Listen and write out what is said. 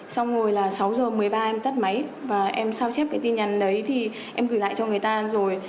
xong rồi là sáu giờ một mươi ba em tắt máy và em sao chép cái tin nhắn đấy thì em gửi lại cho người ta rồi